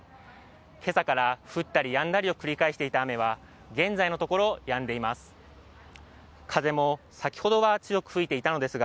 今朝から降ったりやんだりを繰り返していた雨は現在のところやんでいます。